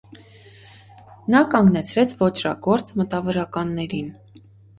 Նա կանգնեցրեց ոճրագործ մտավորականներին։